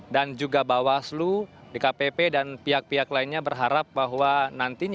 dan juga bawah selu di kpp dan pihak pihak lainnya berharap bahwa nanti